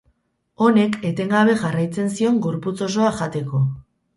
Honek etengabe jarraitzen zion gorputz osoa jateko.